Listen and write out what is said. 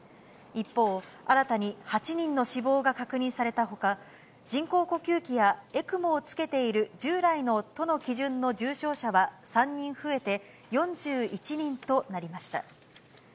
一方、新たに８人の死亡が確認されたほか、人工呼吸器やＥＣＭＯをつけている従来の都の基準の重症者は３人増えて、４１人となりました。